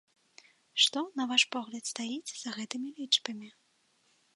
Што, на ваш погляд, стаіць за гэтымі лічбамі?